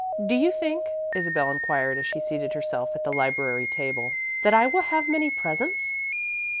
"Do you think," Isabel inquired as she seated herself at the library table, "that I will have many presents?"